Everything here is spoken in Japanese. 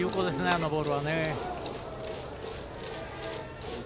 あのボールは。